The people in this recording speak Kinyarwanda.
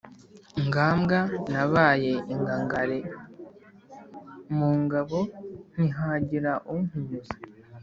Ngambwa nabaye ingangare mu ngabo ntihagira umpinyuza